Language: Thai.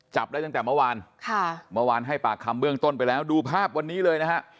จับได้ตั้งแต่เมื่อวานค่ะเมื่อวานให้ปากคำเบื้องต้นไปแล้วดูภาพวันนี้เลยนะฮะ